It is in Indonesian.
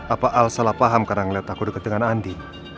apa al salah paham karena ngeliat aku dekat dengan andi